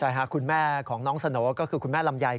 ใช่ค่ะคุณแม่ของน้องสโหน่ก็คือคุณแม่ลำไย